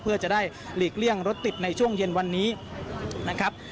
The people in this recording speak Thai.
เพื่อจะได้หลีกเลี่ยงรถติดในช่วงเย็นวันนี้นะครับ